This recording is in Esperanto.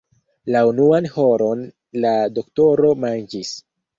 La unuan horon la doktoro manĝis.